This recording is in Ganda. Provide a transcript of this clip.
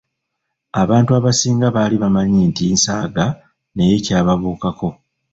Abantu abasinga baali bamanyi nti nsaaga naye kyababuukako.